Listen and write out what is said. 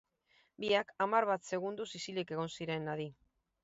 Biak hamar bat segundoz isilik egon ziren, adi.